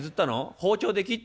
包丁で切った？